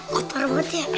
kotor banget ya